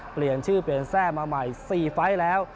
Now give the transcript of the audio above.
เปลี่ยนชื่อเปลี่ยนแทร่มาใหม่๔ไฟล์แล้ว